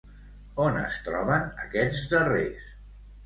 On es troben aquests darrers?